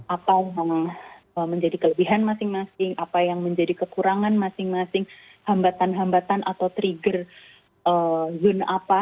apa yang menjadi kelebihan masing masing apa yang menjadi kekurangan masing masing hambatan hambatan atau trigger zone apa